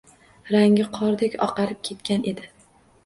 Rangi qordek oqarib ketgan edi.